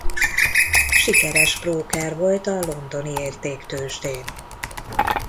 Sikeres bróker volt a Londoni Értéktőzsdén.